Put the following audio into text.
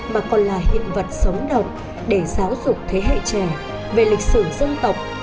mà còn là hiện vật sống động để giáo dục thế hệ trẻ về lịch sử dân tộc